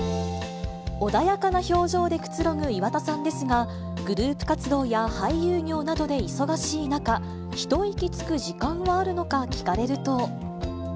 穏やかな表情でくつろぐ岩田さんですが、グループ活動や俳優業などで忙しい中、一息つく時間があるのか聞かれると。